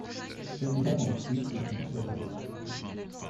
Celui-là vend des fruits qui ont un goût savoureux.